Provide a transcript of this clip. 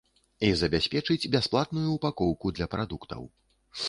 І забяспечыць бясплатную упакоўку для прадуктаў.